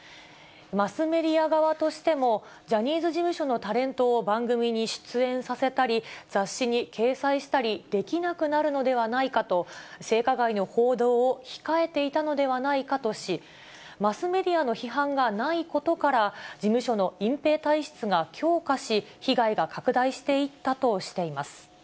マスメディア側としてもジャニーズ事務所のタレントを番組に出演させたり、雑誌に掲載したりできなくなるのではないかと、性加害の報道を控えていたのではないかとし、マスメディアの批判がないことから、事務所の隠蔽体質が強化し、被害が拡大していったとしています。